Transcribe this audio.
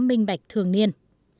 minh bạch thường niên